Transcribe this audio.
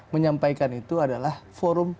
menyampaikan itu adalah forum